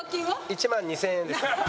１万２０００円です。